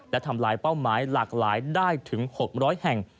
และทำลายเป้าหมายหลากหลายได้ถึง๖๐๐แห่ง